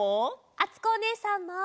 あつこおねえさんも！